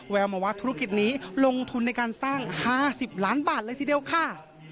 แววมาว่าธุรกิจนี้ลงทุนในการสร้าง๕๐ล้านบาทเลยทีเดียวค่ะ